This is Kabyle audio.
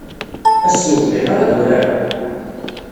Ass-a, ur bɣiɣ ara ad urareɣ.